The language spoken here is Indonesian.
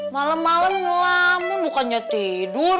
malem malem ngelamun bukannya tidur